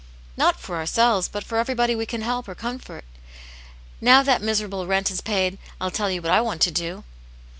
'" Not for ourselves, but for everj^body we can help^ or comfort. Now that miserable rent is paid, I'll telt you what I want to do."